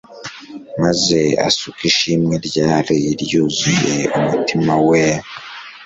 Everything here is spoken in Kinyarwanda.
maze asuka ishimwe ryari ryuzuye umutima we